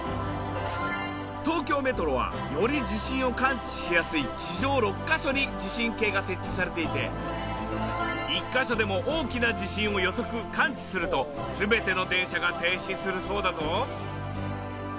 東京メトロはより地震を感知しやすい地上６カ所に地震計が設置されていて１カ所でも大きな地震を予測感知すると全ての電車が停止するそうだぞ。